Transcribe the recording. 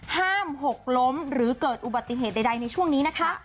หกล้มหรือเกิดอุบัติเหตุใดในช่วงนี้นะคะ